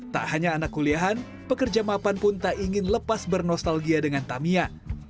tak hanya anak kuliahan pekerja mapan pun tak ingin lepas bernostalgia dengan tamiya